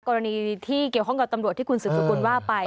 กรณีที่เกี่ยวกับตำรวจที่คุณสูงสุดว่าไป